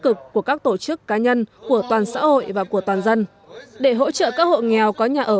cực của các tổ chức cá nhân của toàn xã hội và của toàn dân để hỗ trợ các hộ nghèo có nhà ở